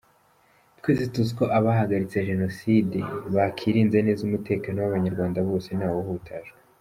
twese tuzi uko abahagaritse jenoside, bakirinze neza umutekano w’Abanyarwanda bose ntawe uhutajwe.